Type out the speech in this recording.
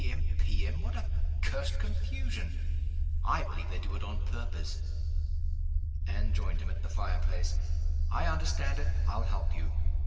M.' P. M.' What a cursed confusion! I believe they do it on purpose." Anne joined him at the fire place. "I understand it I'll help you.